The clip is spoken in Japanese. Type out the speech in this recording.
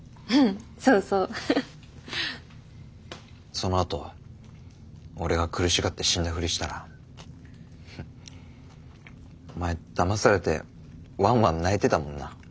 そのあと俺が苦しがって死んだふりしたらフッお前だまされてわんわん泣いてたもんな。